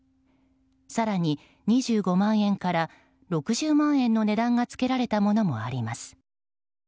更に、２５万円から６０万円の値段がつけられたものもあります。